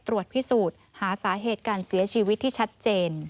ตรวจพิสูจน์หาสาเหตุการเสียชีวิตที่ชัดเจน